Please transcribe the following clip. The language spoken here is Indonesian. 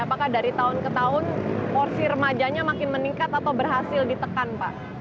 apakah dari tahun ke tahun porsi remajanya makin meningkat atau berhasil ditekan pak